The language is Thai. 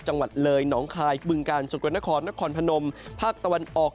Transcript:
จังหวัดเลยหนองคายบึงกาลสกลนครนครพนมภาคตะวันออก